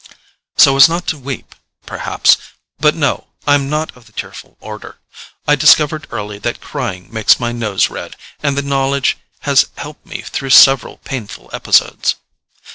"So as not to weep, perhaps. But no—I'm not of the tearful order. I discovered early that crying makes my nose red, and the knowledge has helped me through several painful episodes."